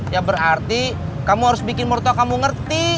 ya berarti kamu harus bikin morto kamu ngerti